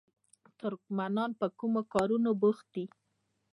ترکمنان په کومو کارونو بوخت دي؟